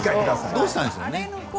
どうしたんでしょうかね。